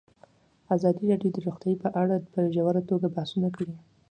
ازادي راډیو د روغتیا په اړه په ژوره توګه بحثونه کړي.